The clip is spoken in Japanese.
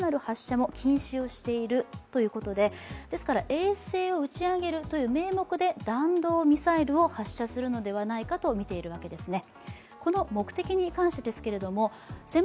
衛星を打ち上げるという名目で弾道ミサイルを発射するのではないかとみているわけですね。